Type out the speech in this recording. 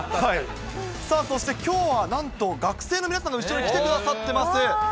さあ、そしてきょうはなんと、学生の皆さんが後ろに来てくださってます。